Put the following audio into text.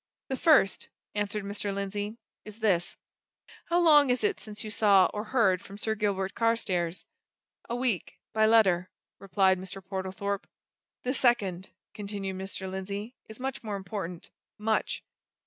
"The first," answered Mr. Lindsey, "is this How long is it since you saw or heard from Sir Gilbert Carstairs?" "A week by letter," replied Mr. Portlethorpe. "The second," continued Mr. Lindsey, "is much more important much!